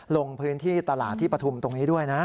ลงพื้นที่ตลาดที่ปฐุมตรงนี้ด้วยนะ